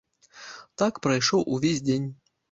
Так прайшоў увесь дзень.